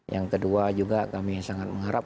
yang kedua juga kami sangat mengharap